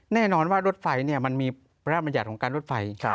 แน่นอนว่ารถไฟมันมีประมาณจากของการรถไฟ